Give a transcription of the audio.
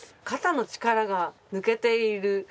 肩の力が抜けている。